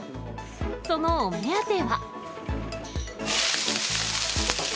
そのお目当ては。